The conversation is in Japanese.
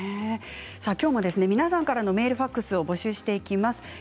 きょうも皆さんからのメール、ファックスを募集していきます。